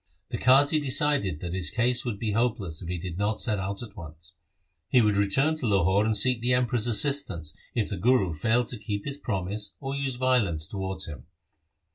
The Qazi decided that his case would be hopeless if he did not set out at once. He would return to Lahore and seek the Emperor's assistance, if the Guru failed to keep his promise or used violence towards him.